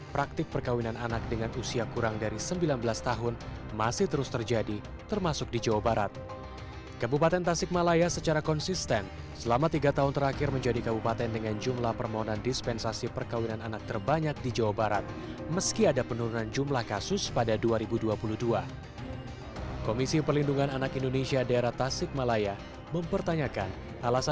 persepsi orang tua terhadap pendidikan anaknya juga sangat mempengaruhi